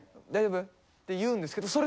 って言うんですけど。